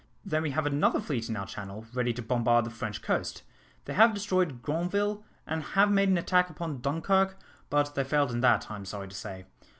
Then we have another fleet in our Channel, ready to bombard the French coast. They have destroyed Gronville, and have made an attack upon Dunkirk, but they failed in that, I am sorry to say.